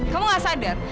kamu nggak sadar